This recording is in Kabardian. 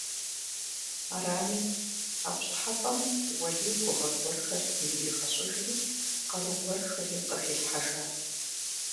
Арами, а пщӀыхьэпӀэм Уэлий гугъэ гуэрхэр иригъэщӀыжри къару гуэрхэри къыхилъхьэжат.